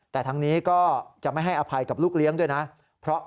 แต่ทางนี้ก็จะไม่ให้อภัยกับลูกเลี้ยงด้วยนะ